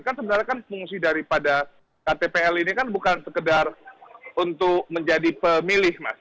kan sebenarnya kan fungsi daripada ktpl ini kan bukan sekedar untuk menjadi pemilih mas